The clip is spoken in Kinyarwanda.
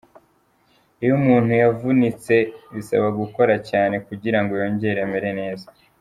Iyo umuntu yavunitse, bisaba gukora cyane kugirango yongere amere neza.